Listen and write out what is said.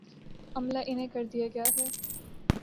عملا انہیں کر دیا گیا ہے۔